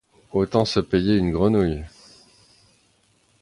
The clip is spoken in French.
Autant se payer une grenouille…